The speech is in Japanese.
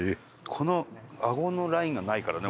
このあごのラインがないからね